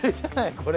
これ。